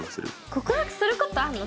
告白することあんの？